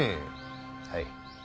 はい。